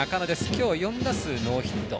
今日、４打数ノーヒット。